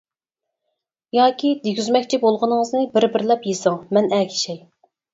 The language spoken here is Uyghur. ياكى دېگۈزمەكچى بولغىنىڭىزنى بىر بىرلەپ يېزىڭ مەن ئەگىشەي.